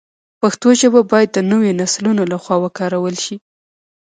پښتو ژبه باید د نویو نسلونو له خوا وکارول شي.